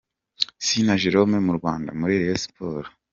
Sina Jérôme mu Rwanda, muri Rayon Sports.